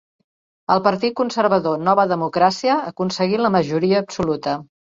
El partit conservador Nova Democràcia aconseguí la majoria absoluta.